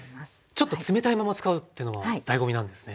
ちょっと冷たいまま使うっていうのもだいご味なんですね。